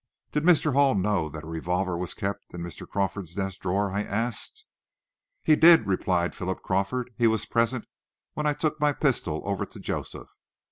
"Did Mr. Hall know that a revolver was kept in Mr. Crawford's desk drawer?" I asked. "He did," replied Philip Crawford. "He was present when I took my pistol over to Joseph."